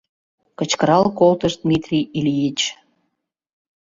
— кычкырал колтыш Дмитрий Ильич.